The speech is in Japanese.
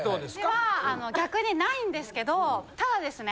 うちは逆にないんですけどただですね